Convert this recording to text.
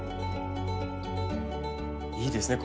いいですね